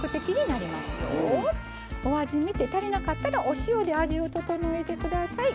お味見て足りなかったらお塩で味を調えてください。